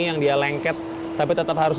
yang dia lengket tapi tetap harus